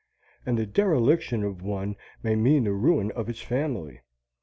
And the dereliction of one may mean the ruin of its family.